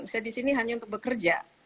saya di sini hanya untuk bekerja